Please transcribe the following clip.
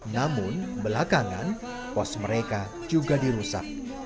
namun belakangan pos mereka juga dirusak